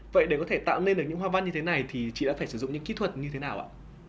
vậy để có thể tạo nên được những hoa văn như thế này thì chị đã phải sử dụng những kỹ thuật như thế nào ạ